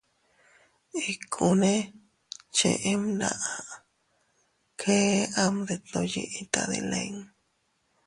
Ikkune cheʼe bndaʼa, kee am detndoʼo yiʼi tadilin.